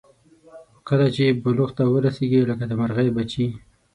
خو چې کله بلوغ ته ورسېږي لکه د مرغۍ بچي.